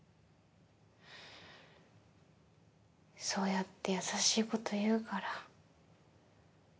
そうやって優しいこと言うから。